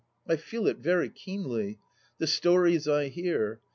I feel it very keenly. The stories I hear